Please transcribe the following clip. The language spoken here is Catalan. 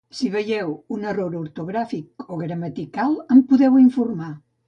Si veieu un error ortogràfic o gramatical en podeu informar